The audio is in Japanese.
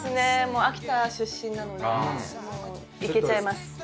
秋田出身なのでいけちゃいます。